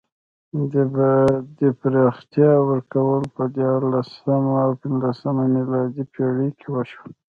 دې پراختیا ورکول په دیارلسمه او پنځلسمه میلادي پېړۍ کې وشوه.